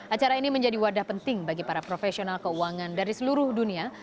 acara ini menjadi wadah penting bagi para profesional keuangan dari seluruh dunia